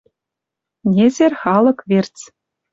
Незер халык верц.